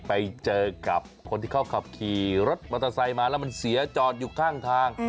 ไปเจอกับคนที่เขาขับขี่รถมอเตอร์ไซค์มาแล้วมันเสียจอดอยู่ข้างทาง